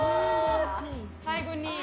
最後に。